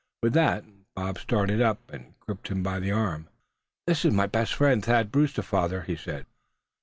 With that Bob started up, and gripped him by the arm. "This is my best friend, Thad Brewster, father," he said.